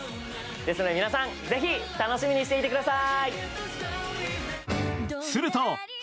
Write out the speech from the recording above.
ですので、皆さんぜひ楽しみにしていてください。